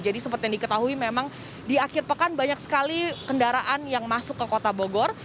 jadi seperti yang diketahui memang di akhir pekan banyak sekali kendaraan yang masuk ke kota bogor